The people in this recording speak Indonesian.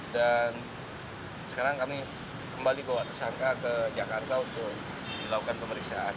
dan sekarang kami kembali bawa tersangka ke jakarta untuk dilakukan pemeriksaan